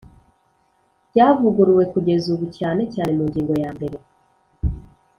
ryavuguruwe kugeza ubu cyane cyane mu ngingo ya mbere